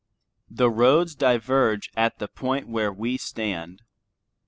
The roads diverge at the point where we stand.